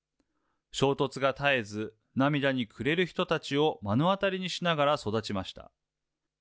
衝突が絶えず、涙に暮れる人たちを目の当たりにしながら育ちました。